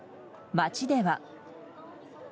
街では。